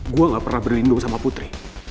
gue gak pernah berlindung sama putri